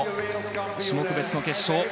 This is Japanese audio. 種目別の決勝。